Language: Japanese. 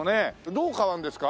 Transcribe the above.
どう変わるんですか？